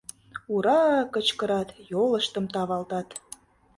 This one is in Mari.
«Ура!» кычкырат, йолыштым тавалтат.